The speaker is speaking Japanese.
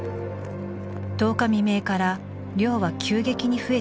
１０日未明から量は急激に増えていきます。